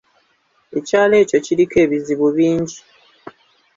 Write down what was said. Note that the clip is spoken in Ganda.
Ekyalo ekyo kiriko ebizibu bingi.